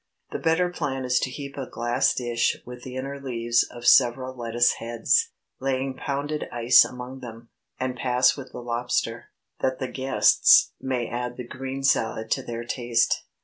The better plan is to heap a glass dish with the inner leaves of several lettuce heads, laying pounded ice among them, and pass with the lobster, that the guests may add the green salad to their taste.